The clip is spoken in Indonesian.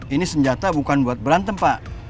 ini senjata bukan buat berantem pak